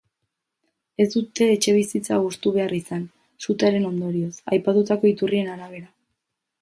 Ez dute etxebizitza hustu behar izan, sutearen ondorioz, aipatutako iturrien arabera.